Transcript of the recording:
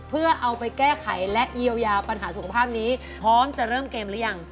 เพื่อเอาไปแก้ไขและเยียวยาปัญหาสุขภาพนี้พร้อมจะเริ่มเกมหรือยัง